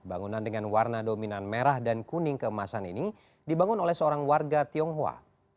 bangunan dengan warna dominan merah dan kuning keemasan ini dibangun oleh seorang warga tionghoa